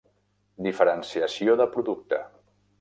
Diferenciació de producte.